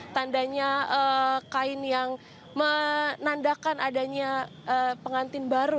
tandanya kain yang menandakan adanya pengantin baru